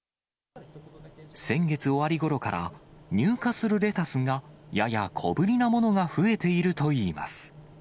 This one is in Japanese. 先月終わりごろから入荷するレタスがやや小ぶりなものが増えているといいます。